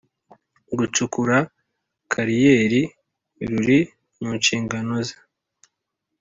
gucukura kariyeri ruri mu nshingano ze